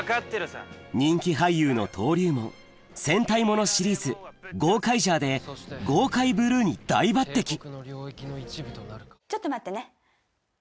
人気俳優の登竜門戦隊物シリーズ『ゴーカイジャー』でゴーカイブルーに大抜てきちょっと待ってね。